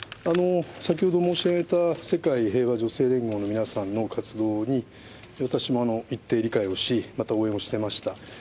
先ほど申し上げた世界平和女性連合の皆さんの活動に、私も一定理解をし、また応援をしていました。